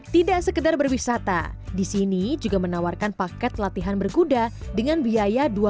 tidak sekedar berbisata disini juga menawarkan paket latihan berkuda dengan biaya dua puluh juta rupiah